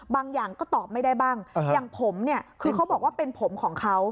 บางอย่างก็ตอบไม่ได้บ้างอย่างผมเนี่ยคือเขาบอกว่าเป็นผมของเขา